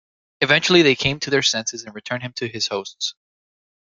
Eventually they came to their senses and returned him to his hosts.